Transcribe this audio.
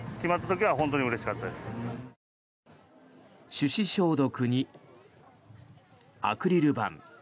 手指消毒にアクリル板。